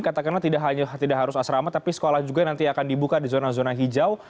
katakanlah tidak harus asrama tapi sekolah juga nanti akan dibuka di zona zona hijau